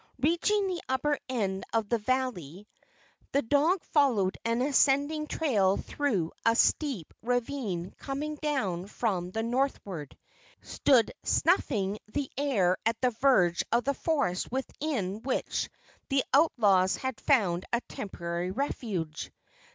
Reaching the upper end of the valley, the dog followed an ascending trail through a steep ravine coming down from the northward, and in a short time, considering the distance traveled, stood snuffing the air at the verge of the forest within which the outlaws had found a temporary refuge.